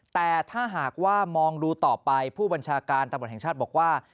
แต่ถ้าหากว่ามองดูต่อไปผู้บัญชาการตำรวจแห่งชาติบอกว่า